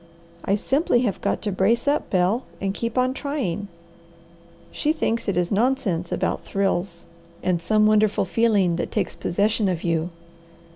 I simply have got to brace up, Bel, and keep on trying. She thinks it is nonsense about thrills, and some wonderful feeling that takes possession of you.